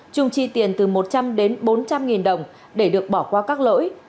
chung chi tiền từ một trăm linh bốn trăm linh đồng để được bỏ qua các lỗi